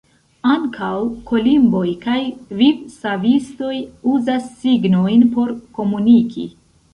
Ankaŭ kolimboj kaj vivsavistoj uzas signojn por komuniki.